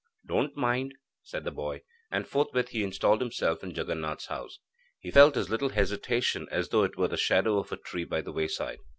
'Don't mind,' said the boy, and forthwith he installed himself in Jaganath's house. He felt as little hesitation as though it were the shadow of a tree by the wayside.